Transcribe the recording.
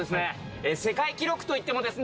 世界記録といってもですね